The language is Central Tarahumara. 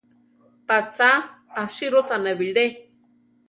¿Pa cha asírochane bilé?